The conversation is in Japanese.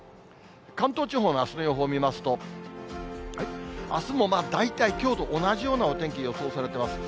関東地方のあすの予報見ますと、あすも大体きょうと同じようなお天気予想されてます。